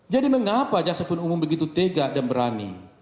jadi mengapa jaksa penduduk umum begitu tega dan berani